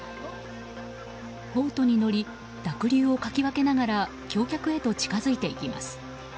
ボートに乗り濁流をかき分けながら橋脚へと近づいていきます。